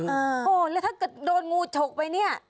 เออโอ้โฮแล้วถ้าโดนงูฉกไปนี่